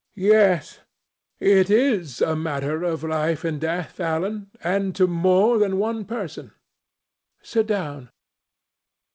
"Yes: it is a matter of life and death, Alan, and to more than one person. Sit down."